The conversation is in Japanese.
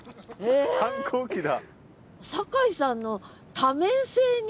反抗期だ。